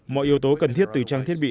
mọi yếu tố cần thiết từ trang thiết bị